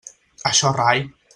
Això rai.